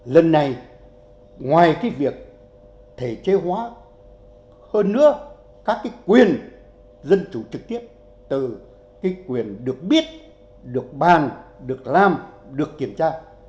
lần này ngoài cái việc thể chế hóa hơn nữa các cái quyền dân chủ trực tiếp từ cái quyền được biết được bàn được làm được kiểm tra